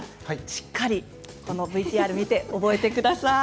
しっかりこのＶＴＲ見て覚えて下さい。